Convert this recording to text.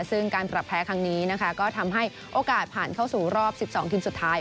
ซึ่งการปรับแพ้ครั้งนี้นะคะก็ทำให้โอกาสผ่านเข้าสู่รอบ๑๒ทีมสุดท้าย